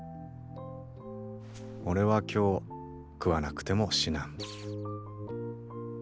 俺は今日食わなくても死なん。